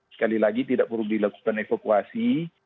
sekali lagi tidak perlu dilakukan evakuasi